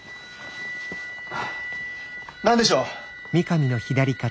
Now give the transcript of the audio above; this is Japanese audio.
何でしょう？